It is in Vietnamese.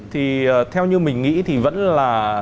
thì theo như mình nghĩ thì vẫn là